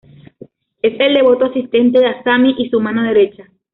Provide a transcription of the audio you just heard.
Es el devoto asistente de Asami y su mano derecha.